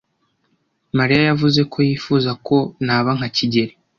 Mariya yavuze ko yifuza ko naba nka kigeli.